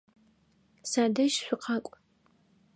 Садэжь шъукъакӏу!